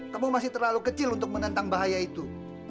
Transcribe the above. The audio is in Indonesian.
kamu masih terlalu kecil untuk menentang bahaya itu